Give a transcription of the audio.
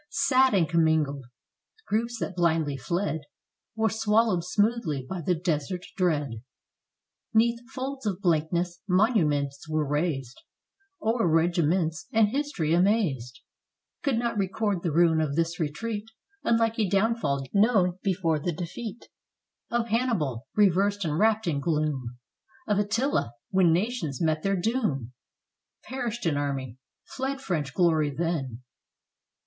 Sad and commingled, groups that blindly fled Were swallowed smoothly by the desert dread. 'Neath folds of blankness, monuments were raised O'er regiments. And History, amazed, Could not record the ruin of this retreat. Unlike a downfall known before the defeat Of Harmibal — reversed and wrapped in gloom ! Of Attila, when nations met their doom ! Perished an army — fled French glory then.